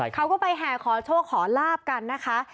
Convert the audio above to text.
เขาก็ไปแห่ขอโชคขอลาบกันนะคะ